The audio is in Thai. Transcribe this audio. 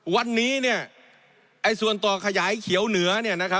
วันนี้ส่วนต่อขยายเขียวเหนือ